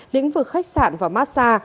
lĩnh vực khách sạn và massa